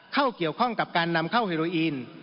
เข้าเกี่ยวข้องกับการนำเข้าเฮโรอีน